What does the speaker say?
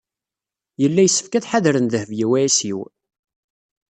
Yella yessefk ad ḥadren Dehbiya u Ɛisiw.